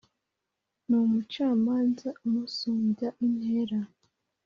n umucamanza umusumbya intera